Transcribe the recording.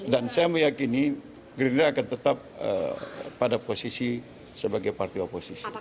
dan saya meyakini gerindra akan tetap pada posisi sebagai partai oposisi